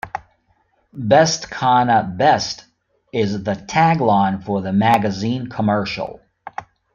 "Best kanna best" is the tagline for the magazine commercial.